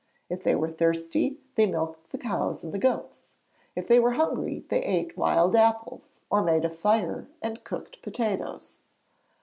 If they were thirsty, they milked the cows and the goats; if they were hungry they ate wild apples or made a fire and cooked potatoes.